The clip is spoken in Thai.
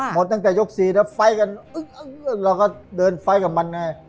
หมดตั้งแต่ยก๔แล้วไฟล์กันอึ้งเราก็เดินไฟล์กับมันไง